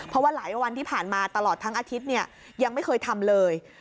เพราะว่าหลายวันที่ผ่านมาตลอดทั้งอาทิตย์เนี่ยยังไม่เคยทำเลย